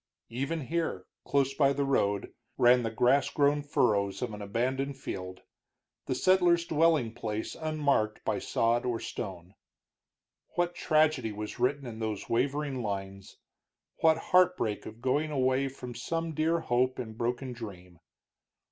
Even here, close by the road, ran the grass grown furrows of an abandoned field, the settler's dwelling place unmarked by sod or stone. What tragedy was written in those wavering lines; what heartbreak of going away from some dear hope and broken dream!